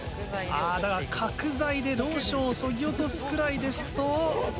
あだが角材でローションをそぎ落とすくらいですと。